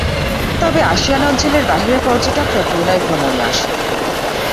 তবে আসিয়ান অঞ্চলের বাহিরের পর্যটকরা ব্রুনাই ভ্রমণে আসে।